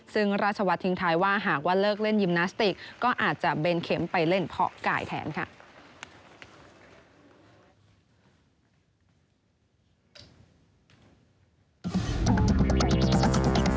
ซึ่งราชวัฒน์ทิ้งท้ายว่าหากว่าเลิกเล่นยิมนาสติกก็อาจจะเบนเข็มไปเล่นเพาะไก่แทนค่ะ